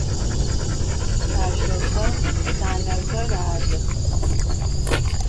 Pşsaşsexem canexer adıx.